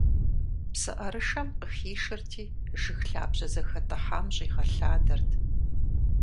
ПсыӀэрышэм къыхишырти, жыг лъабжьэ зэхэтӀыхьам щӀигъэлъадэрт.